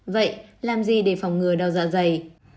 vậy làm gì để phòng ngừa đau dạ dày